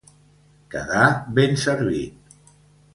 Quedar ben servit.